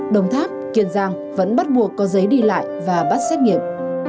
đồng tháp kiên giang vẫn bắt buộc có giấy đi lại và bắt xét nghiệm